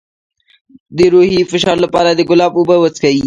د روحي فشار لپاره د ګلاب اوبه وڅښئ